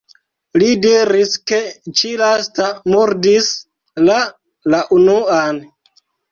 Li diris ke ĉi-lasta murdis la la unuan.